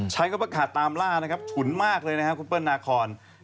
ชัยขะตามล่านะครับฉุนมากเลยนะฮะคุณเปิ้ลนาคอน